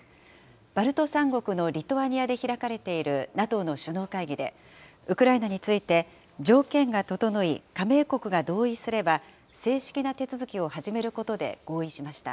バルト三国のリトアニアで開かれているＮＡＴＯの首脳会議で、ウクライナについて条件が整い、加盟国が同意すれば、正式な手続きを始めることで合意しました。